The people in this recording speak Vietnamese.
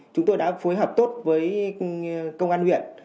chúng tôi đã phối hợp tốt với công an huyện